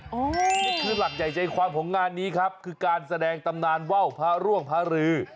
นี่คือหลักใหญ่ใจความของงานนี้ครับคือการแสดงตำนานว่าวพระร่วงพระรือ